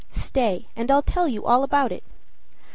Stay, and I'll tell you all about it.